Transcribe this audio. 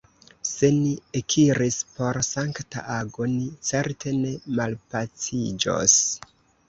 Se ni ekiris por sankta ago, ni certe ne malpaciĝos!